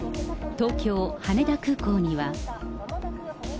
東京・羽田空港には。